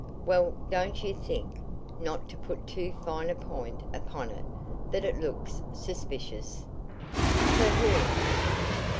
"Well, don't you think not to put too fine a point upon it that it looks suspicious?" "For whom?"